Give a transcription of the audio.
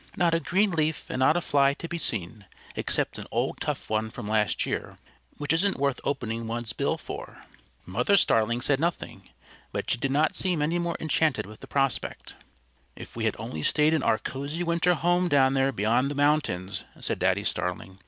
"Not a green leaf and not a fly to be seen, except an old tough one from last year, which isn't worth opening one's bill for." Mother Starling said nothing, but she did not seem any more enchanted with the prospect. "If we had only stayed in our cosy winter home down there beyond the mountains," said Daddy Starling.